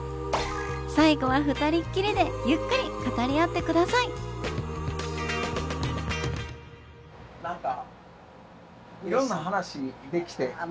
最後は２人っきりでゆっくり語り合ってくださいあ